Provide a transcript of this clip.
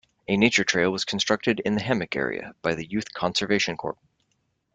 A nature trail was constructed in the hammock area by the Youth Conservation Corps.